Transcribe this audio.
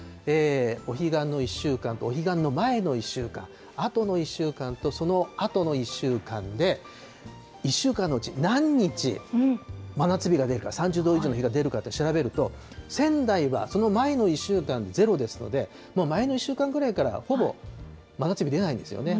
お彼岸の１週間とお彼岸の前の１週間、あとの１週間とそのあとの１週間で、１週間のうち何日真夏日が出るか、３０度以上の日が出るかって調べると、仙台はその前の１週間ゼロですので、前の１週間ぐらいからほぼ真夏日出ないんですよね。